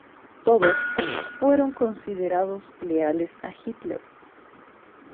Todos fueron considerados leales a Hitler.